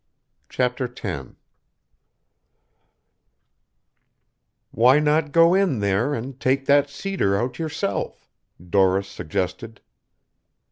CHAPTER X "Why not go in there and take that cedar out yourself?" Doris suggested.